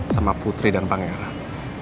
sama putri dan pangeran